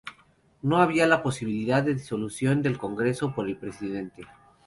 No había la posibilidad de disolución del Congreso por el Presidente.